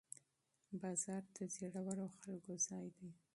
بازار د زړورو خلکو ځای دی.